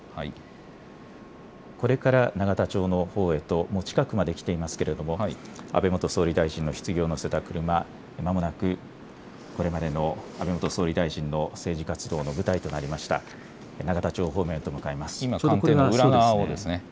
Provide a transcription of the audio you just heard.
これから永田町のほうへともう近くまで来ていますけれども安倍元総理大臣のひつぎを乗せた車、まもなく、これまでの安倍元総理大臣の政治活動の舞台となりました永田町方面へと向かいます。